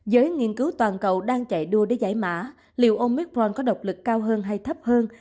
giới nghiên cứu toàn cầu đang chạy đua để giải mã liệu ông mikron có độc lực cao hơn hay thấp hơn